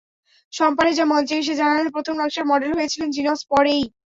শম্পা রেজা মঞ্চে এসে জানালেন, প্রথম নকশার মডেল হয়েছিলেন জিনস পরেই।